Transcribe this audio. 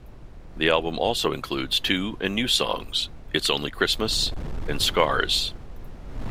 The album also includes two and new songs, "Its Only Christmas" and "Scars".